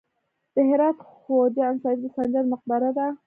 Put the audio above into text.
د هرات خواجه انصاري د سنجر مقبره ده